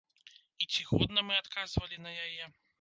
І ці годна мы адказвалі на яе?